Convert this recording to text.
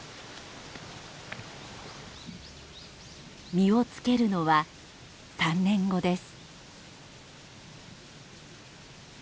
実をつけるのは３年後です。